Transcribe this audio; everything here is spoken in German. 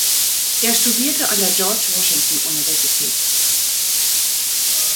Er studierte an der George Washington Universität.